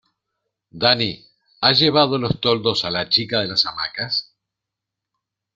Dani, ¿has llevado los toldos a la chica de las hamacas?